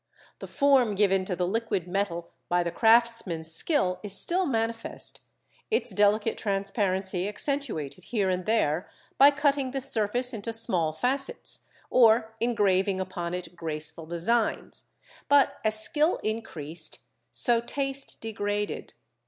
The form given to the liquid metal by the craftsman's skill is still manifest, its delicate transparency accentuated here and there by cutting the surface into small facets, or engraving upon it graceful designs; but as skill increased so taste degraded.